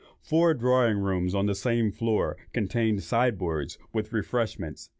Four drawing rooms on the same floor contained sideboards with refreshments.